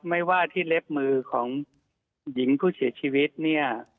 ไม่ว่าที่เล็บมือของหญิงผู้เสียชีวิตเนี่ย